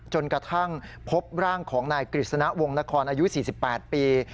จนกระทั่งพบร่างของนายกฤษณะวงนครอายุ๔๘ปี